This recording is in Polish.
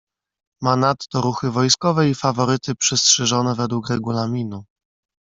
"Ma nadto ruchy wojskowe i faworyty przystrzyżone według regulaminu."